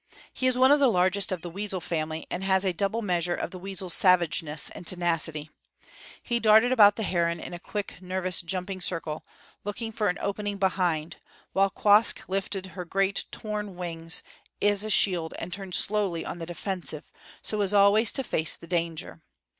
He is one of the largest of the weasel family, and has a double measure of the weasel's savageness and tenacity. He darted about the heron in a quick, nervous, jumping circle, looking for an opening behind; while Quoskh lifted her great torn wings as a shield and turned slowly on the defensive, so as always to face the danger.